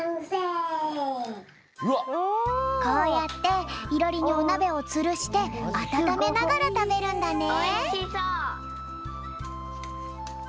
こうやっていろりにおなべをつるしてあたためながらたべるんだね。